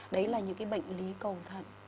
đấy là những bệnh lý cầu thận